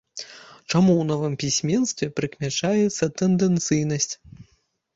Чаму ў новым пісьменстве прыкмячаецца тэндэнцыйнасць?